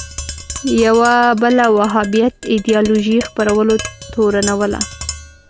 یوه بله وهابیت ایدیالوژۍ خپرولو تورنوله